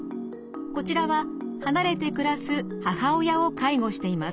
こちらは離れて暮らす母親を介護しています。